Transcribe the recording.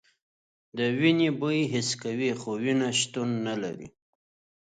د وینې بوی حس کوي خو وینه شتون نه لري.